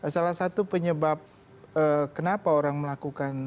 salah satu penyebab kenapa orang melakukan